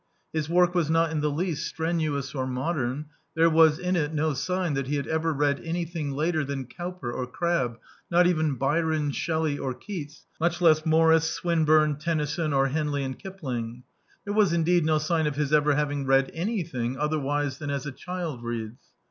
His work was not in the least strenuous or modem: there was in it no sign that he had ever read any thing later than Cowper or Crabbe, not even Byron, Shelley or Keats, much less Morris, Swinburne, Tennyson, or Henley and Kipling. There was in deed no sign of his ever having read anything other wise than as a child reads.